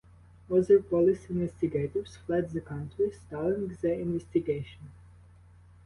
Other police investigators fled the country, stalling the investigation.